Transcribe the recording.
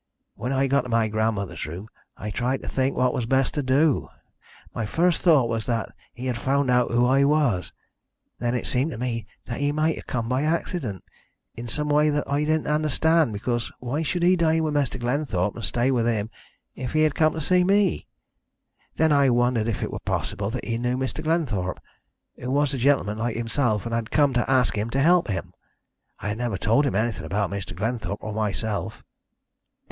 When I got to my grandmother's room I tried to think what was best to do. My first thought was that he had found out who I was. Then it seemed to me that he might have come by accident, in some way that I didn't understand, because why should he dine with Mr. Glenthorpe, and stay with him, if he had come to see me? Then I wondered if it were possible that he knew Mr. Glenthorpe, who was a gentleman like himself, and had come to ask him to help him. I had never told him anything about Mr. Glenthorpe or myself.